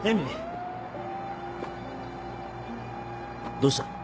どうした？